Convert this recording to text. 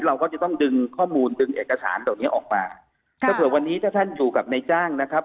เราก็จะต้องดึงข้อมูลดึงเอกสารเหล่านี้ออกมาถ้าเผื่อวันนี้ถ้าท่านอยู่กับนายจ้างนะครับ